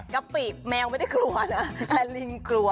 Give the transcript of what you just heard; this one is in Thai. กะปิแมวไม่ได้กลัวนะแต่ลิงกลัว